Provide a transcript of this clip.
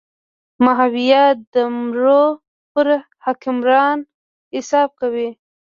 ماهویه د مرو پر حکمران حساب کوي.